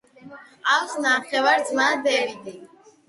ჰყავს ნახევარძმა დევიდი.